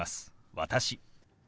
「私」。